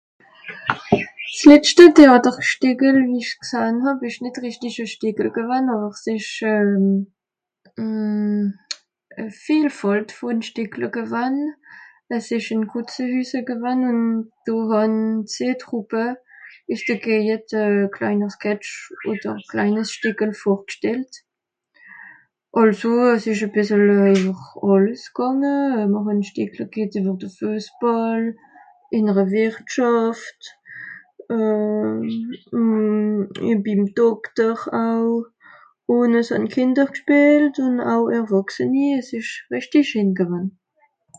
s letsche Theàterschteckel wie ich g'sahn hàb esch nìt rìchtig e Schteckel gewann awer s esch euhh euhh e Vielfàlt von Schteckle gewann es esch in Kutzehüse gewann un do hàn zeh Trouppe üss de Gejet e kleiner Sketch oder e kleines Schteckel vorg'stellt àlso es esch a bìssele ewer alles gànge euh mr hàn Schteckle g'hett ewer de feussbàll inne're wertschàfft euh un euh bim dokter au un es hàn kìnder g'spielt un au erwàchseni es esch rechti scheen gewann